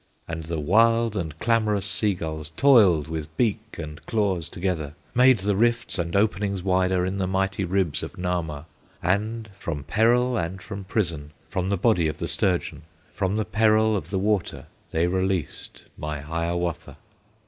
And the wild and clamorous sea gulls Toiled with beak and claws together, Made the rifts and openings wider In the mighty ribs of Nahma, And from peril and from prison, From the body of the sturgeon, From the peril of the water, They released my Hiawatha.